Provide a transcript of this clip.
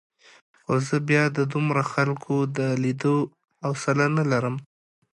خو زه بیا د دومره خلکو د لیدو حوصله نه لرم.